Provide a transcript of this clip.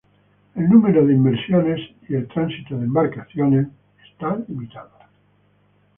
El número de inmersiones y el tránsito de embarcaciones está limitado.